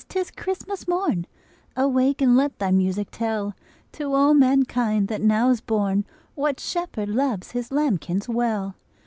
't is Christmas morn Awake and let thy music tell To all mankind that now is born What Shepherd loves His lambkins well!"